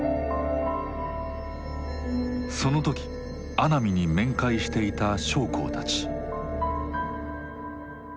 その時阿南に面会していた将校たち。